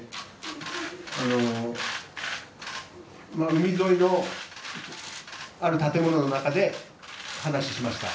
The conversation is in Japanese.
海沿いのある建物の中で話をしました。